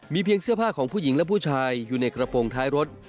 เพียงเสื้อผ้าของผู้หญิงและผู้ชายอยู่ในกระโปรงท้ายรถ